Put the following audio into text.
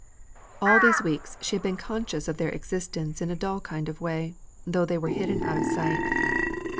All these weeks she had been conscious of their existence in a dull kind of way, though they were hidden out of sight.